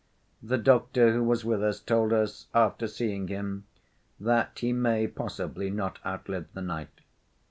The doctor who was with us told us, after seeing him, that he may possibly not outlive the night."